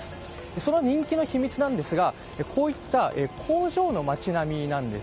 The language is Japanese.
その人気の秘密なんですがこういった工場の街並みなんです。